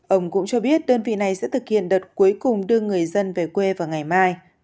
ông cũng cho biết đơn vị này sẽ thực hiện đợt cuối cùng đưa người dân về quê vào ngày mai